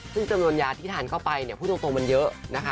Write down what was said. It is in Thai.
ซึ่งจำนวนยาที่ทานเข้าไปเนี่ยพูดตรงมันเยอะนะคะ